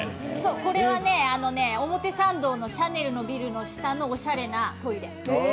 これはね、表参道のシャネルのビルの下のおしゃれなトイレ。